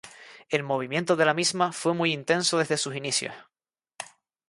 El movimiento de la misma fue muy intenso desde sus inicios.